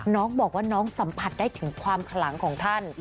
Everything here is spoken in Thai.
น้องบอกว่าน้องสัมผัสได้ถึงความขลังของท่าน